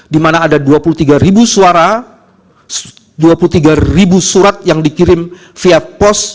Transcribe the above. di mana ada dua puluh tiga surat yang dikirim via pap